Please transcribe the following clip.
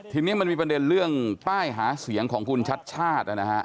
ทีนี้มันมีประเด็นเรื่องป้ายหาเสียงของคุณชัดชาตินะฮะ